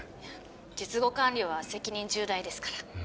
術後管理は責任重大ですから。